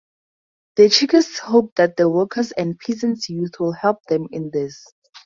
The Chekists hope that the workers and peasants youth will help them in this.